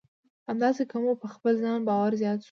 همداسې که مو په خپل ځان باور زیات شو.